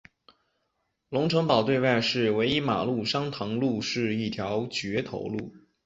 龙成堡对外的唯一马路山塘路是一条掘头路。